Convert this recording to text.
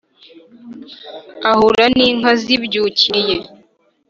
Ahura n'inka zibyukiriye